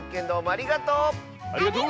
ありがとう！